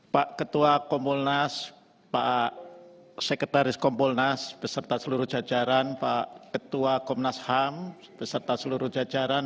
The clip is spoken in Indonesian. pak ketua kompolnas pak sekretaris kompolnas beserta seluruh jajaran pak ketua komnas ham beserta seluruh jajaran